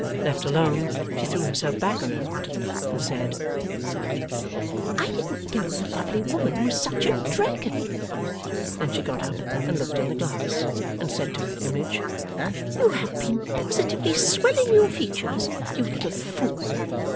Left alone, she threw herself back on her ottoman, and said, 'I didn't know the lovely woman was such a Dragon!' Then, she got up and looked in the glass, and said to her image, 'You have been positively swelling your features, you little fool!